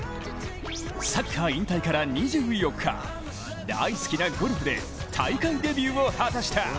サッカー引退から２４日大好きなゴルフで大会デビューを果たした。